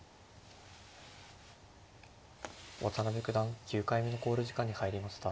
渡辺九段９回目の考慮時間に入りました。